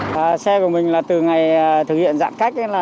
và xe của mình là từ ngày thực hiện giãn cách